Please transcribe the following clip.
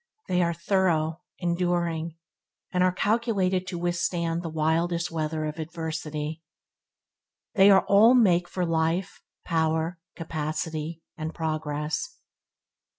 They are through, enduring, and are calculated to withstanding the wildest weather of adversity. They all make for life, power, capacity, and progress.